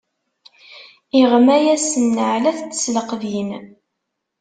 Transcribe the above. Iɣma-yaɣ s nneɛlat d tesleqbin.